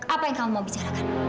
apa yang kamu mau bicarakan